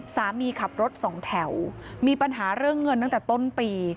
ขับรถสองแถวมีปัญหาเรื่องเงินตั้งแต่ต้นปี